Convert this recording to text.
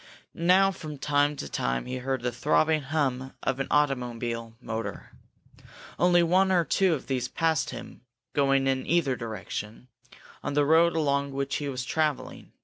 Now from time to time he heard the throbbing hum of an automobile motor. Only one or two of these passed him, going in either direction, on the road along which he was traveling.